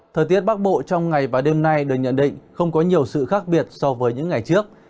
thời tiết bắc bộ trong ngày và đêm nay được nhận định không có nhiều sự khác biệt so với những ngày trước